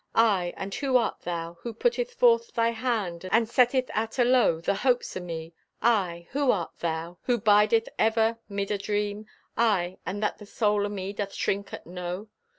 Aye, and who art thou, Who putteth forth thy hand And setteth at alow the hopes o' me? Aye, who art thou, Who bideth ever 'mid a dream? Aye, and that the soul o' me Doth shrink at know?